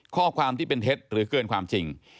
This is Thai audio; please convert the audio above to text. ข้อความที่เป็นเท็จหรือเกินความจริง